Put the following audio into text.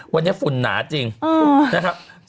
วันนี้ฝุ่นหนาจริงนะครับ